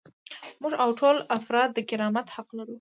موږ او ټول افراد د کرامت حق لرو.